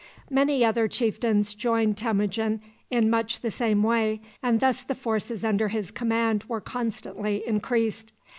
Many other chieftains joined Temujin in much the same way, and thus the forces under his command were constantly increased.